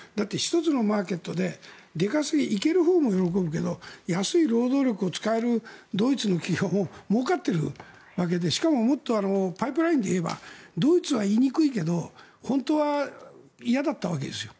１つのマーケットで出稼ぎに行けるほうも喜ぶけど安い労働力を使えるドイツの企業ももうかっているわけでしかもパイプラインで言えばドイツは言いにくいけど本当は嫌だったわけですよ。